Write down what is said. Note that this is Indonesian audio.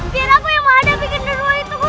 biar aku yang menghadapi kenderua itu guru